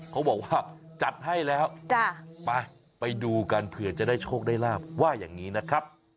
เขาบอกว่าจัดให้แล้วไปไปดูกันเผื่อจะได้โชคได้ลาบว่าอย่างนี้นะครับ